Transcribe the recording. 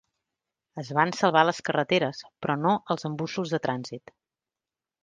Es van salvar les carreteres , però no els embussos de trànsit.